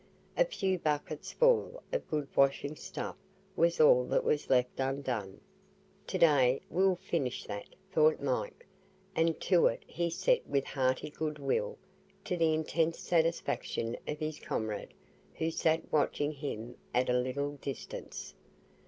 A few buckets full of good washing stuff was all that was left undone. "To day will finish that," thought Mike, and to it he set with hearty good will, to the intense satisfaction of his comrade, who sat watching him at a little distance.